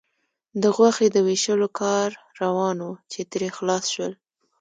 د غوښې د وېشلو کار روان و، چې ترې خلاص شول.